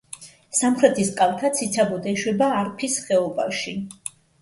სამხრეთის კალთა ციცაბოდ ეშვება არფის ხეობაში.